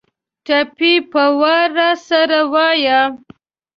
ټپې په وار راسره وايه